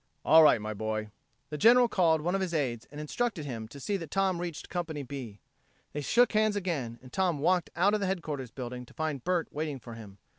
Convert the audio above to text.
"All right, my boy." The General called one of his aides and instructed him to see that Tom reached Company B. They shook hands again and Tom walked out of the headquarters building to find Bert waiting for him.